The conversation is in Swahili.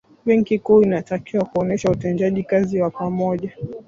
benki kuu inatakiwa kuonesha utendaji kazi wa pamoja